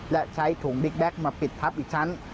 และใช้ถุงบิ๊กแก๊กมาปิดทับอีกชั้น